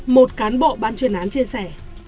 một cán bộ ban chuyên án chia sẻ